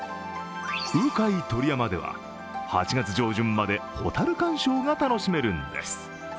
うかい鳥山では８月上旬まで、ほたる観賞が楽しめるんです。